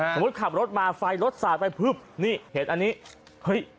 ขับรถมาไฟรถสาดไปพึบนี่เห็นอันนี้เฮ้ย